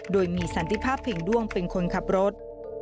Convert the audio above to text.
โดยมีสันติภาพเพียงด้วงเป็นคนขับรถ